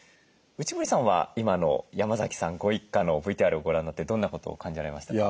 内堀さんは今の山崎さんご一家のＶＴＲをご覧になってどんなことを感じられましたか？